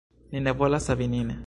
Ni ne volas savi nin.